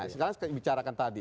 sekarang kita bicara tadi